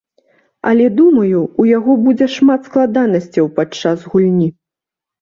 Але думаю, у яго будзе шмат складанасцяў падчас гульні.